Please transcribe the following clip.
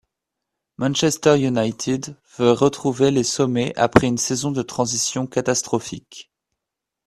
Manchester United veut retrouver les sommets après une saison de transition catastrophique.